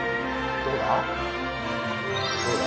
どうだ？